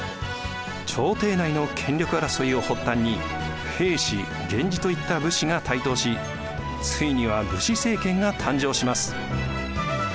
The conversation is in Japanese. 朝廷内の権力争いを発端に平氏源氏といった武士が台頭しついには武士政権が誕生します。